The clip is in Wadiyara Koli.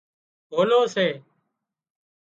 هولو سي